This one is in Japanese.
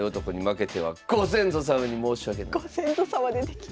ご先祖様出てきた。